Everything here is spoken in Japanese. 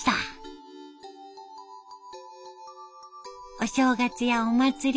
お正月やお祭り